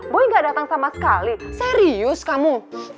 boy gak datang sama sekali serius kamu